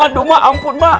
aduh mbak ampun mbak